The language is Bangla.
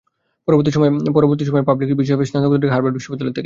পরবর্তী সময়ে পাবলিক পলিসি বিষয়ে স্নাতকোত্তর ডিগ্রি নেন হার্ভার্ড বিশ্ববিদ্যালয় থেকে।